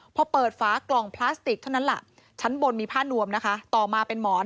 พอเปิดฝากล่องพลาสติกเท่านั้นแหละชั้นบนมีผ้านวมนะคะต่อมาเป็นหมอน